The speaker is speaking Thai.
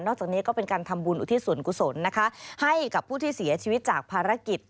จากนี้ก็เป็นการทำบุญอุทิศส่วนกุศลนะคะให้กับผู้ที่เสียชีวิตจากภารกิจ